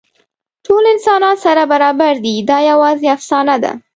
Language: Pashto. ټول انسانان سره برابر دي، دا یواځې افسانه ده.